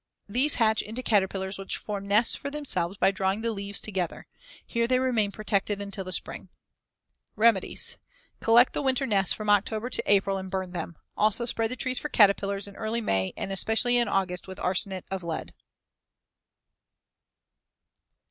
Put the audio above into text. These hatch into caterpillars which form nests for themselves by drawing the leaves together. Here they remain protected until the spring. See Fig. 103. Remedies: Collect the winter nests from October to April and burn them. Also spray the trees for caterpillars in early May and especially in August with arsenate of lead.